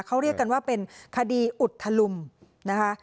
เขาเรียกกันว่าเป็นคดีอุทธลุงนะคะ